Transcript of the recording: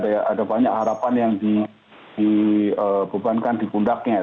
ada banyak harapan yang dibebankan di pundaknya